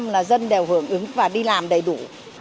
một trăm linh là dân đều hưởng ứng và đi làm đầy đủ